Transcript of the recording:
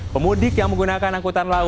pemudik yang menggunakan angkutan